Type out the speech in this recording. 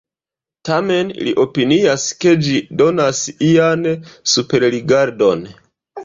Tamen li opinias ke ĝi donas ian superrigardon.